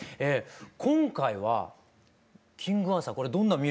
今回は「キングアーサー」。